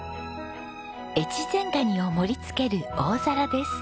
越前ガニを盛りつける大皿です。